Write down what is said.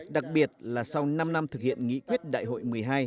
đặc biệt là sau năm năm thực hiện nghị quyết đại hội một mươi hai